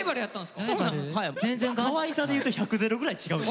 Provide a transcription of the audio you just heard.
かわいさでいうと１０００ぐらい違うで。